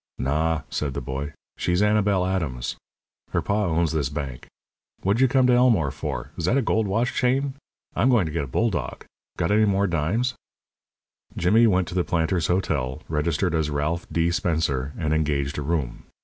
"Naw," said the boy. "She's Annabel Adams. Her pa owns this bank. What'd you come to Elmore for? Is that a gold watch chain? I'm going to get a bulldog. Got any more dimes?" Jimmy went to the Planters' Hotel, registered as Ralph D. Spencer, and engaged a room.